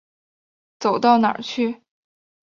走到哪儿去。